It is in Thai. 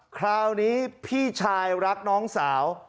คราวนี้พี่ชายรักน้องสาว